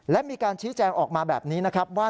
และมีการชี้แจงออกมาแบบนี้นะครับว่า